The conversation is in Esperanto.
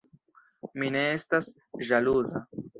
Mi ne estas ĵaluza“.